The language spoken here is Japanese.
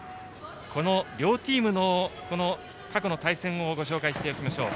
この両チームの過去の対戦をご紹介しておきましょう。